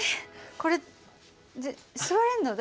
これ座れんの？